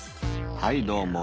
はいども。